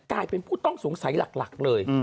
กลายเป็นผู้ต้องสงสัยหลักเลย